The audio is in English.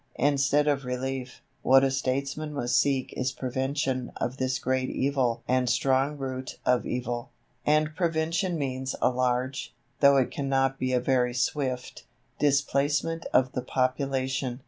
Instead of relief, what a statesman must seek is prevention of this great evil and strong root of evil; and prevention means a large, though it cannot be a very swift, displacement of the population.